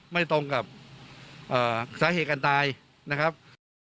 ไม่ตรงกับเอ่อสาเหกกันตายนะครับ